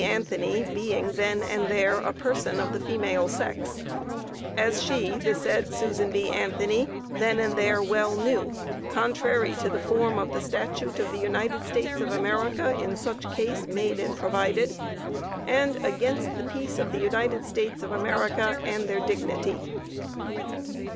Anthony being then and there a person of the female sex,) as she, the said Susan B. Anthony then and there well knew, contrary to the form of the statute of the United States of America in such case made and provided, and against the peace of the United States of America and their dignity.